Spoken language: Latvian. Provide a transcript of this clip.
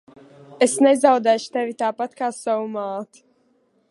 Es nezaudēšu tevi tāpat kā savu māti.